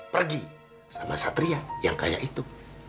pergi sama satria yang kaya itu